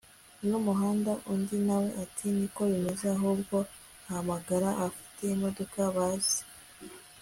uno muhanda! undi nawe ati niko bimeze ahubwo ahamagara abafite imodoka baze